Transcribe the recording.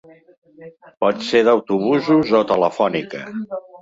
Pot ser d'autobusos o telefònica.